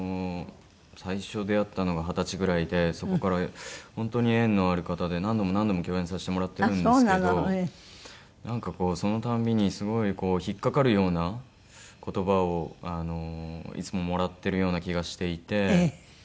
最初出会ったのが二十歳ぐらいでそこから本当に縁のある方で何度も何度も共演させてもらってるんですけどなんかこうそのたんびにすごい引っかかるような言葉をいつももらってるような気がしていて。